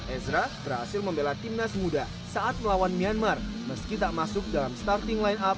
ezra berhasil membela timnas muda saat melawan myanmar meski tak masuk dalam starting line up